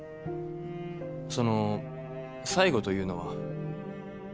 その最後というのは？